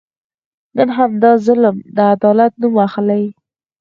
نن همدا ظلم د عدالت نوم اخلي.